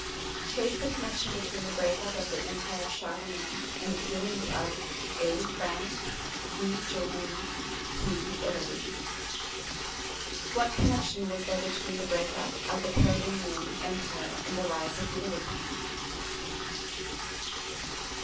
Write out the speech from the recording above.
Trace the connection between the break up of the Empire of Charlemagne and the beginnings of (a) France, (b) Germany, (c) Italy. What connection was there between the break up of the Carolingian Empire and the rise of feudalism?